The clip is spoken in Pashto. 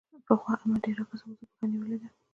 پخوا احمد ډېر راګرځېد؛ اوس يې پښه نيولې ده.